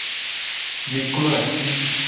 Mi klo asi.